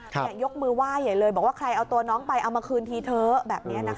ยกมือไหว้ใหญ่เลยบอกว่าใครเอาตัวน้องไปเอามาคืนทีเถอะแบบนี้นะคะ